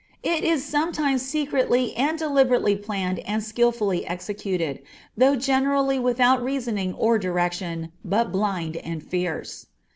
It is sometimes secretly and deliberately planned and skilfully executed, though generally without reasoning or direction, but blind and fierce.